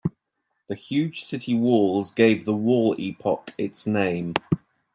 The huge city walls gave the wall epoch its name.